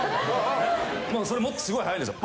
それもっとすごい速いんですよ。